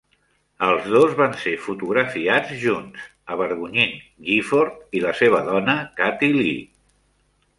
Els dos van ser fotografiats junts, avergonyint Gifford i la seva dona, Kathie Lee.